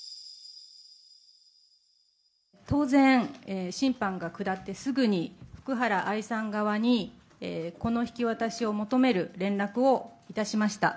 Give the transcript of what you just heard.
当然、審判が下ってすぐに福原愛さん側に子の引き渡しを求める連絡をいたしました。